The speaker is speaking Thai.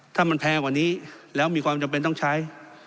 ถ้ามันแพงกว่านี้แล้วมีความจำเป็นต้องใช้